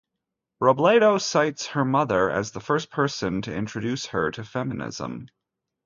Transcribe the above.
Robledo cites her mother as the first person to introduce her to feminism.